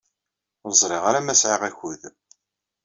Ur ẓriɣ ara ma sɛiɣ akud.